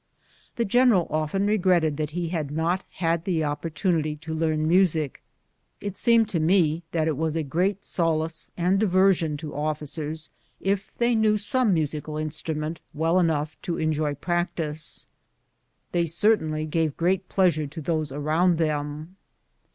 The general often regretted that he had not had the opportunity to learn music. It seemed to me that it was a great solace and diversion to officers if they knew some musical instrument well enough to en joy practice. They certainly gave great pleasure to those around them.